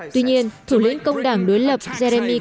tuy nhiên thủ lĩnh cộng đồng sẽ đưa ra một thỏa thuận thương mại mới